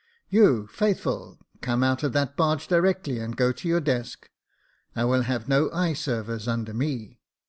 " You, Faithful, come out of that barge directly, and go to your desk. I will have no eye servers under me.